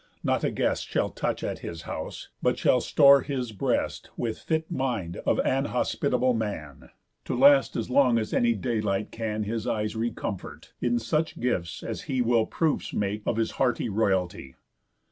Not a guest Shall touch at his house, but shall store his breast With fit mind of an hospitable man, To last as long as any daylight can His eyes recomfort, in such gifts as he Will proofs make of his hearty royalty."